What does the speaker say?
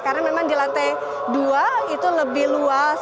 karena memang di lantai dua itu lebih luas